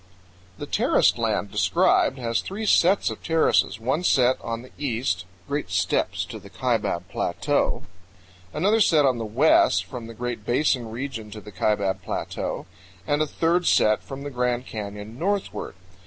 The terraced land described has three sets of terraces: one set on the east, great steps to the Kaibab Plateau; another set on the west, from the Great Basin region to the Kaibab Plateau; and a third set from the Grand Canyon northward.